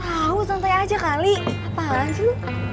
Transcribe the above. tau santai aja kali apaan tuh